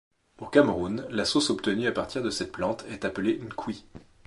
Au Cameroun, la sauce obtenue à partir de cette plante est appelée Nkui.